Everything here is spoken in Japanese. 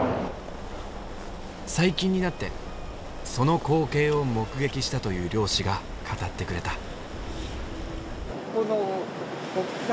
最近になってその光景を目撃したという漁師が語ってくれた。